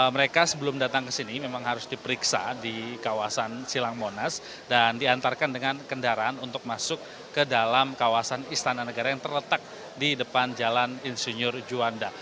mereka sebelum datang ke sini memang harus diperiksa di kawasan silang monas dan diantarkan dengan kendaraan untuk masuk ke dalam kawasan istana negara yang terletak di depan jalan insinyur juanda